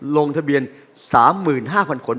ลงทะเบียน๓๕๐๐คน